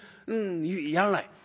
やらない。